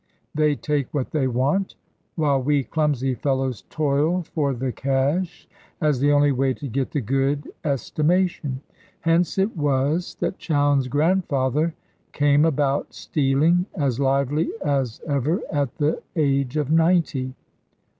They take what they want; while we clumsy fellows toil for the cash as the only way to get the good estimation. Hence it was that Chowne's grandfather came about stealing as lively as ever, at the age of ninety.